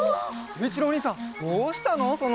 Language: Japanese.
ゆういちろうおにいさんどうしたの？